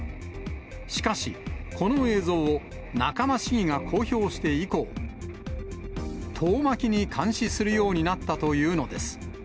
しかし、この映像を仲間市議が公表して以降、遠巻きに監視するようになったというのです。